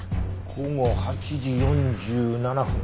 午後８時４７分。